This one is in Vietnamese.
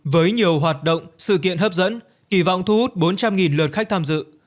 với nhiều hoạt động sự kiện hấp dẫn kỳ vọng thu hút bốn trăm linh lượt khách tham dự